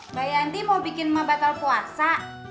mbak yanti mau bikin mama batal puasa